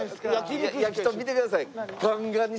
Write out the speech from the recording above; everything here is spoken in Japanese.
やきとん見てください。